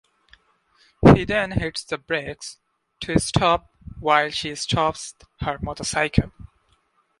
He then hits the brakes to stop while she stops her motorcycle.